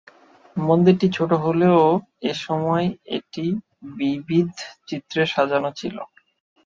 মন্দিরটি ছোট হলেও এসময় এটি বিবিধ চিত্রে সাজানো ছিল।